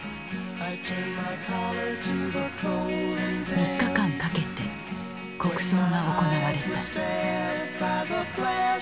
３日間かけて国葬が行われた。